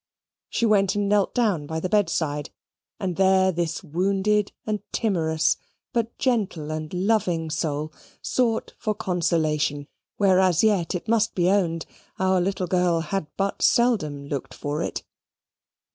She went and knelt down by the bedside; and there this wounded and timorous, but gentle and loving soul, sought for consolation, where as yet, it must be owned, our little girl had but seldom looked for it.